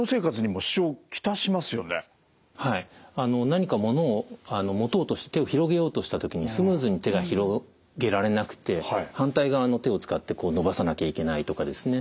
何か物を持とうとして手を広げようとした時にスムーズに手が広げられなくて反対側の手を使って伸ばさなきゃいけないとかですね。